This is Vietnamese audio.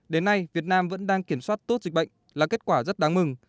đến nay việt nam vẫn đang kiểm soát tốt dịch bệnh là kết quả rất đáng mừng